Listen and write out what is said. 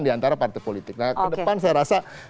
diantara partai politik nah ke depan saya rasa